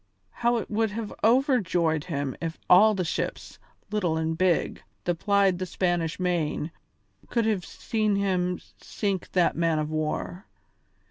How it would have overjoyed him if all the ships, little and big, that plied the Spanish Main could have seen him sink that man of war.